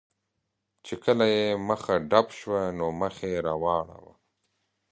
چې کله یې مخه ډب شوه، نو مخ یې را واړاوه.